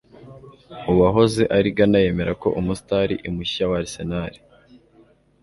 Uwahoze ari Gunner yemera ko umustar imushya wa Arsenal